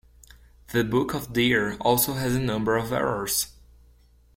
The Book of Deer also has a number of errors.